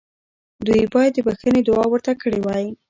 دوی باید د بخښنې دعا ورته کړې وای.